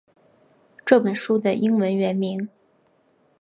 这本书的英文原名